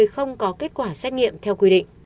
không có kết quả xét nghiệm theo quy định